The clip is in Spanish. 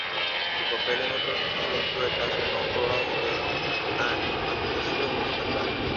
Su papel en otros cientos de casos no probados de infanticidio no está claro.